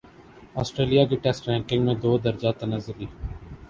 Australia کی test ranking میں دو درجہ تنزلی